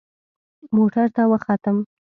موټر ته وختم.